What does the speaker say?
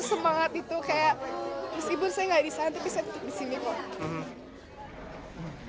saya bisa tapi saya tetap di sini kok